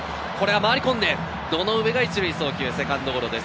回り込んで堂上が１塁送球、セカンドゴロです。